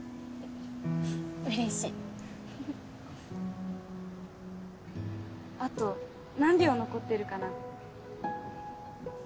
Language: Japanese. うれしいあと何秒残ってるかな？